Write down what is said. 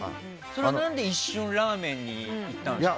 それは何で一瞬ラーメンにいったんですか？